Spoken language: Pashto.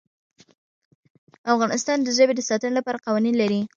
افغانستان د ژبې د ساتنې لپاره قوانین لري.